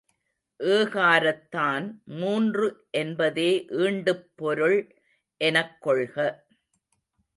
ஏகாரத்தான், மூன்று என்பதே ஈண்டுப் பொருள் எனக் கொள்க.